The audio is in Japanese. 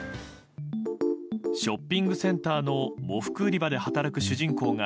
ショッピングセンターの喪服売り場で働く主人公が